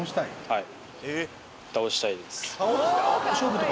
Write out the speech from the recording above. はい。